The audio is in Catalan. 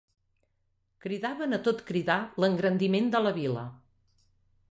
Cridaven a tot cridar l'engrandiment de la vila